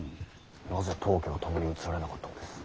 なぜ当家は共に移られなかったのです？